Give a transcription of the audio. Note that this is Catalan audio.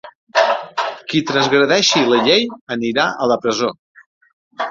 Qui transgredeixi la llei anirà a la presó.